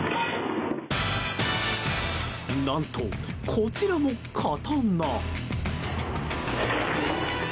何と、こちらも刀。